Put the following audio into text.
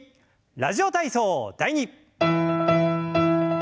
「ラジオ体操第２」。